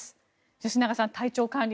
吉永さん、体調管理